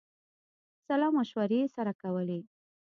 سلامشورې یې سره کولې.